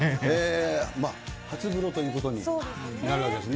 まあ、初風呂ということになるわけですね。